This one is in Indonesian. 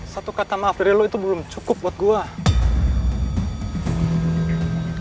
satu kata maaf dari lo itu belum cukup buat gue